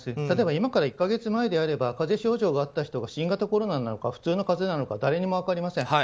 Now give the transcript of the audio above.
例えば今から１か月前であれば風邪症状があった人が新型コロナか、普通の風邪なのか誰にも分かりません。